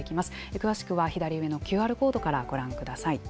詳しくは左上のＱＲコードからご覧ください。